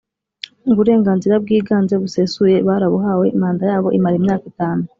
Uburenganzira bwiganze busesuye barabuhawe. Manda yabo imara imyaka itanu